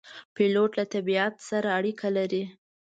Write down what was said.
پیلوټ له طبیعت سره اړیکه لري.